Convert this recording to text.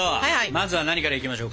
まずは何からいきましょうか？